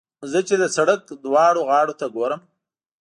زه چې د سړک دواړو غاړو ته ګورم.